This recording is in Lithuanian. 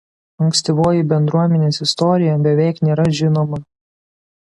Ankstyvoji bendruomenės istorija beveik nėra žinoma.